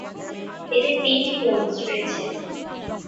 এতে তিনটি গম্বুজ রয়েছে।